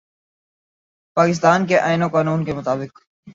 پاکستان کے آئین و قانون کے مطابق